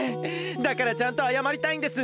だからちゃんとあやまりたいんです！